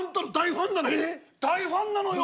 大ファンなのよ！」。